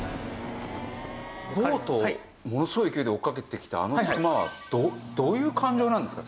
ボートをものすごい勢いで追っかけてきたあのクマはどういう感情なんですか？